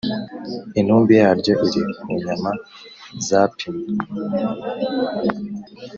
intumbi yaryo iri ku nyama zapimwe